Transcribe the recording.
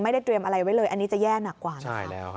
เตรียมอะไรไว้เลยอันนี้จะแย่หนักกว่านะ